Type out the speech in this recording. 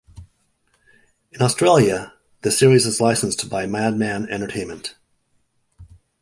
In Australia, the series is licensed by Madman Entertainment.